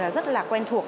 rất là quen thuộc